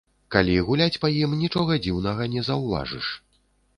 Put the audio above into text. Калі гуляць па ім, нічога дзіўнага не заўважыш.